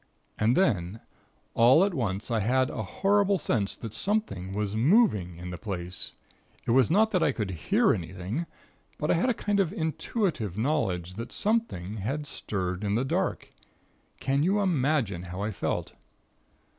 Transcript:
And then, all at once, I had a horrible sense that something was moving in the place. It was not that I could hear anything but I had a kind of intuitive knowledge that something had stirred in the darkness. Can you imagine how I felt?